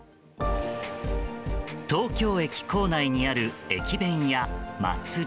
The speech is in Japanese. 東京駅構内にある駅弁屋祭。